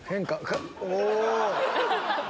お！